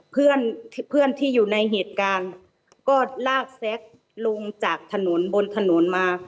เพื่อนที่เพื่อนที่อยู่ในเหตุการณ์ก็ลากแซ็กลงจากถนนบนถนนมา